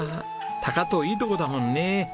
高遠いい所だもんね。